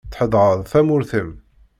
Txedɛeḍ tamurt-im.